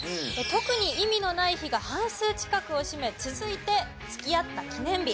特に意味のない日が半数近くを占め続いて付き合った記念日。